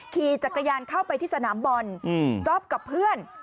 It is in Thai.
ขี่จักรยานเข้าไปที่สนามบอลจ๊อปกับเพื่อน